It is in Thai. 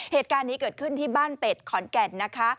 เหตุการณ์นี้เกิดขึ้นที่บ้านเป็ดขอนแก่นนะคะ